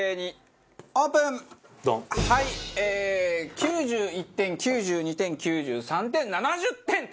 ９１点９２点９３点７０点という。